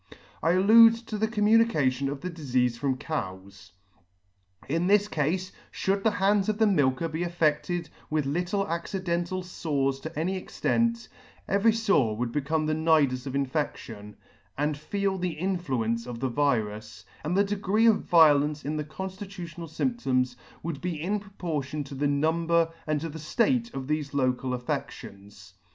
I allude to the commu nication of the difeafe from cows. In this cafe, fhould the hands of the milker be affeCted with little accidental fores to any extent, every fore would become the nidus of infection, and feel the influence of the virus ; and the degree of violence in the conflitutional fymptoms would be in proportion to the number and to the ftate of thefe local affeCtions.